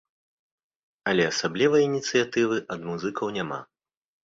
Але асаблівай ініцыятывы ад музыкаў няма.